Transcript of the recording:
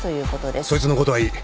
そいつのことはいい。